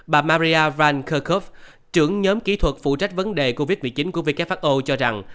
bà maria van kerrkov trưởng nhóm kỹ thuật phụ trách vấn đề covid một mươi chín của who cho rằng